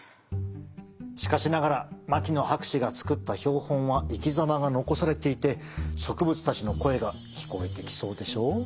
しかしながら牧野博士が作った標本は生き様が残されていて植物たちの声が聞こえてきそうでしょ。